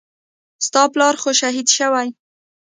ستا پلار خو شهيد سوى.